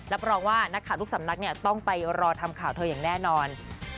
รับรองว่านักข่าวทุกสำนักเนี่ยต้องไปรอทำข่าวเธออย่างแน่นอน